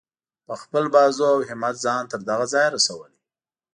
په خپل بازو او همت ځان تر دغه ځایه رسولی.